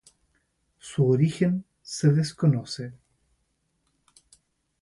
Su origen se desconoce.